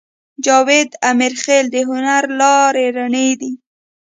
جاوید امیرخېل د هنر لارې رڼې دي